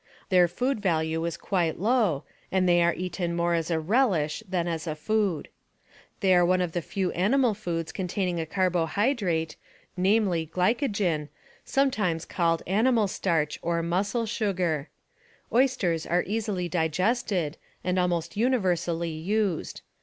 Their food value is quite low, and they are eaten more as a relish than as a food. They are one of the few animal foods containing a carbohydrate, namely, glycogen, some times called animal starch or muscle sugar. Oysters are easily digested, and almost universally used.